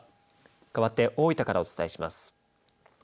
かわって大分からお伝えします。